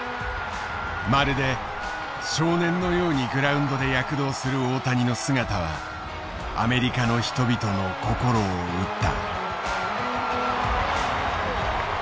まるで少年のようにグラウンドで躍動する大谷の姿はアメリカの人々の心を打った。